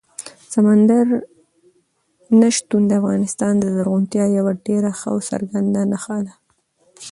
سمندر نه شتون د افغانستان د زرغونتیا یوه ډېره ښه او څرګنده نښه ده.